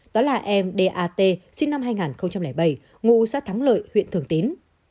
đó là em dat sinh năm hai nghìn bảy ngụ xã thắng lợi huyện thường tín